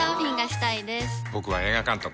僕は映画監督。